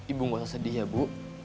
ibu ga usah sedih ya bu